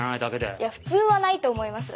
いや普通はないと思います。